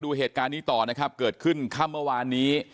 ดูเหตุการณ์นี้ต่อนะครับเกิดขึ้นค่ำเมื่อวานนี้